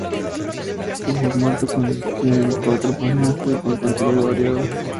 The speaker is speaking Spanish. Su formato consistía en cuatro páginas con contenido variado.